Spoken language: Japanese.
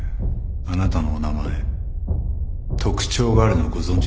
あなたのお名前特徴があるのご存じですか？